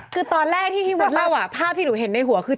คือตอนแรกที่พี่มดเล่าภาพที่หนูเห็นในหัวคือ